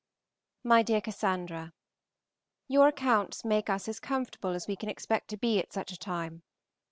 MY DEAR CASSANDRA, Your accounts make us as comfortable as we can expect to be at such a time.